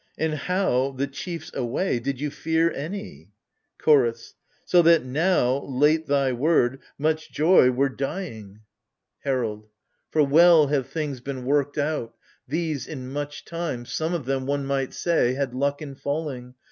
And how, the chiefs away, did you fear any ? CHORDS. So that now, — late thy word, — much joy were — dying ! AGAMEMNON. 47 HERALD. For well have things been worked out : these, — in much time, Some of them, one might say, had luck in falling.